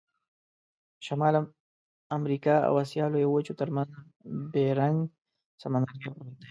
د شمال امریکا او آسیا لویو وچو ترمنځ بیرنګ سمندرګي پروت دی.